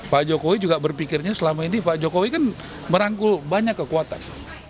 pak jokowi juga berpikirnya selama ini pak jokowi kan merangkul banyak kekuatan